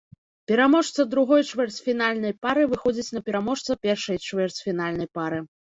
Пераможца другой чвэрцьфінальнай пары выходзіць на пераможца першай чвэрцьфінальнай пары.